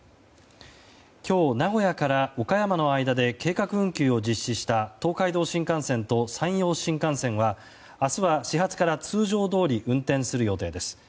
今日、名古屋から岡山の間で計画運休を実施した東海道新幹線と山陽新幹線は明日は、始発から通常どおり運転する予定です。